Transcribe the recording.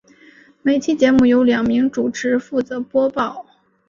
每期节目由两名主播负责播报。